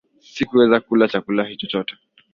Sikuweza kula chakula hicho chote